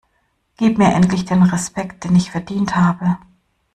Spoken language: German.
Gib mir endlich den Respekt den ich verdient habe!